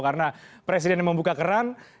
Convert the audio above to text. karena presiden membuka keran